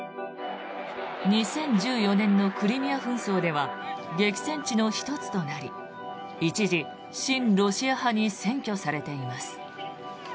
２０１４年のクリミア紛争では激戦地の１つとなり一時、親ロシア派に占拠されています。